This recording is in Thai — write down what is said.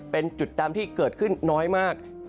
เป็นจุดดำที่เกิดขึ้นน้อยมาก